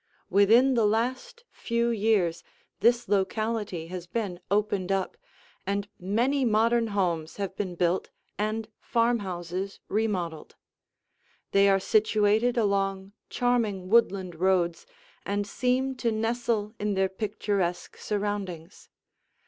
Within the last few years, this locality has been opened up, and many modern homes have been built and farmhouses remodeled. They are situated along charming woodland roads and seem to nestle in their picturesque surroundings.